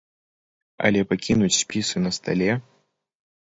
Але пакінуць спісы на стале!